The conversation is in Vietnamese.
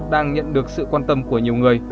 đang nhận được sự quan tâm của nhiều người